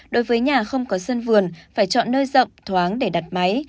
đối với nhà không có sân vườn phải chọn nơi rộng thoáng để đặt máy